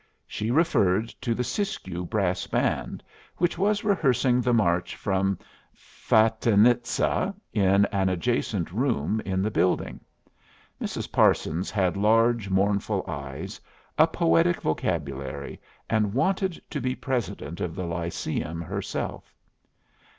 She referred to the Siskiyou brass band, which was rehearsing the march from "Fatinitza" in an adjacent room in the building. Mrs. Parsons had large, mournful eyes, a poetic vocabulary, and wanted to be president of the Lyceum herself.